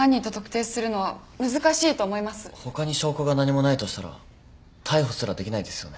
他に証拠が何もないとしたら逮捕すらできないですよね。